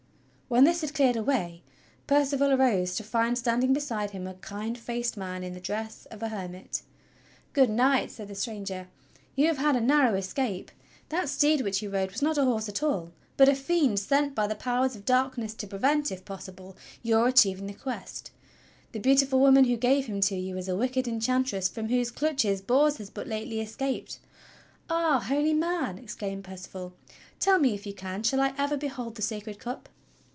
When this had cleared away Percival arose to find standing beside him a kind faced man in the dress of a hermit. "Good Knight," said the stranger, "you have had a nar row escape. That steed which you rode was not a horse at all, but a fiend sent by the powers of darkness to prevent, if possible, your achieving the Quest. The beautiful woman who gave him to you is a wicked enchantress from whose clutches Bors has but lately escaped." "Ah! Holy Man," exclaimed Percival, "tell me, if you can, shall I ever behold the Sacred Cup.?"